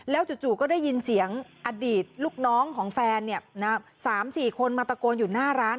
แล้วจู่ก็ได้ยินเสียงอดีตลูกน้องของแฟนเนี่ยสามสี่คนมาตะโกนอยู่หน้าร้าน